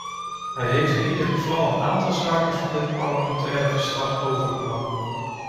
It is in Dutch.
Hij heeft in ieder geval een aantal zaken van dit parlementaire verslag overgenomen.